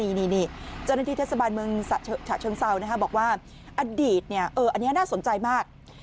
นี่เจ้าหน้าที่เทศบาลเมืองฉะเชิงเซาบอกว่าอดีตอันนี้น่าสนใจมาก